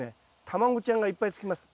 卵ちゃんがいっぱいつきます。